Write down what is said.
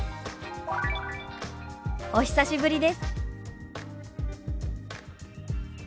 「お久しぶりです」。